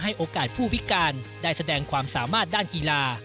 โอกาสผู้พิการได้แสดงความสามารถด้านกีฬา